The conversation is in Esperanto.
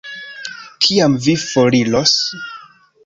Kiam vi foriros?